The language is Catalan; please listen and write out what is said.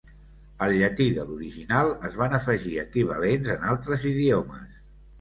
Al llatí de l'original es van afegir equivalents en altres idiomes.